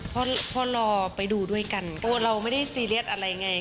เพราะพอรอไปดูด้วยกันก็เราไม่ได้ซีเรียสอะไรไง